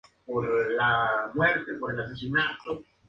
Con esto, cada monstruo ocupa un número entero positivo de cuadrados.